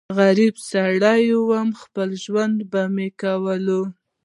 غريب سړی ووم خپل ژوندون به مې کوونه